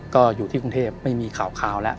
ก็อยู่ที่กรุงเทพไม่มีข่าวแล้ว